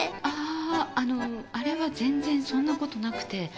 あああのあれは全然そんなことなくて。